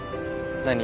何？